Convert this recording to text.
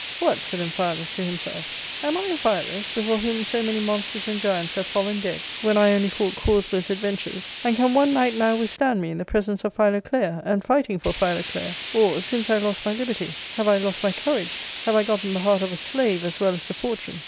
" What !" said Amphialus to himself, " am I Amphialus, before whom so many monsters and giants have fallen dead when I only fought causeless adventures ; and can one knight now withstand me in the presence of Philoclea, and fighting for Philoclea ? or, since I lost my Hbenyj have I lost my courage ; have I gotten the heart of a slave as well as the fortune